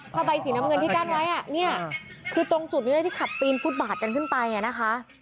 ผ้าใบสีน้ำเงินที่กั้นไว้เนี่ยคือตรงจุดนี้เลยที่ขับปีนฟุตบาทกันขึ้นไปนะคะ